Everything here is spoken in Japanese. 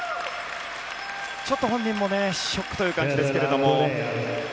ちょっと本人もショックという感じですが。